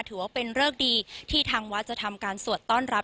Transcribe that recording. ถือว่าเป็นเริกดีที่ทางวัดจะทำการสวดต้อนรับ